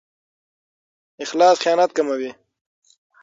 اخلاص خیانت کموي.